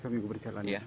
tiga minggu berjalan ya